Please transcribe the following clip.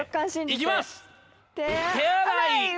いきます！